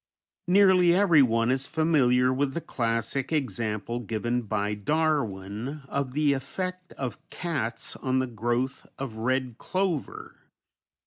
Nearly everyone is familiar with the classic example given by Darwin of the effect of cats on the growth of red clover.